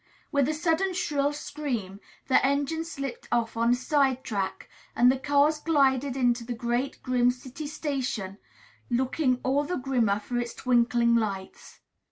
With a sudden shrill scream the engine slipped off on a side track, and the cars glided into the great, grim city station, looking all the grimmer for its twinkling lights.